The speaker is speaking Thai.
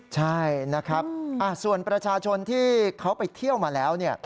ใช่ส่วนประชาชนที่เขาไปเที่ยวมาแล้ว